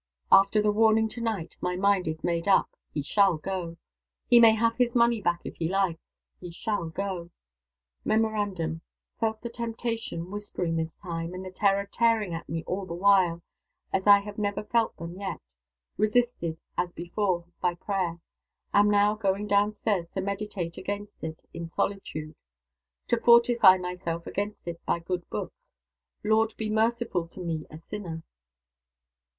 After the warning to night, my mind is made up. He shall go. He may have his money back, if he likes. He shall go. (Memorandum: Felt the temptation whispering this time, and the terror tearing at me all the while, as I have never felt them yet. Resisted, as before, by prayer. Am now going down stairs to meditate against it in solitude to fortify myself against it by good books. Lord be merciful to me a sinner!)"